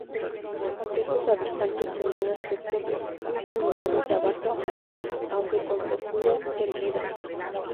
Estos habitantes tenían aspectos muy similares a vacas o toros, aunque con posturas erguidas.